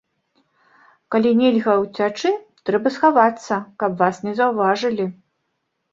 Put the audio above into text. Калі нельга ўцячы, трэба схавацца, каб вас не заўважылі.